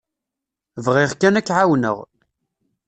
Bɣiɣ kan ad k-εawneɣ.